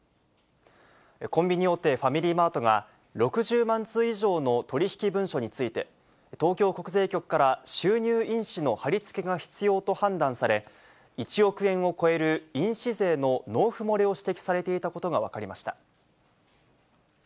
コンビニ大手、ファミリーマートが、６０万通以上の取り引き文書について、東京国税局から、収入印紙の貼り付けが必要と判断され、１億円を超える印紙税の納付漏れを指摘されていたことが分かりました。